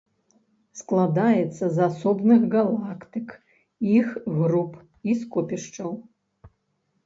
Складаецца з асобных галактык, іх груп і скопішчаў.